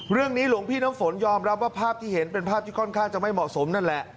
หลวงพี่น้ำฝนยอมรับว่าภาพที่เห็นเป็นภาพที่ค่อนข้างจะไม่เหมาะสมนั่นแหละ